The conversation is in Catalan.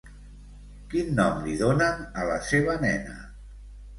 Quin nom li donen a la seva nena?